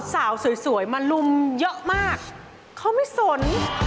สาวสวยมาลุมเยอะมากเขาไม่สน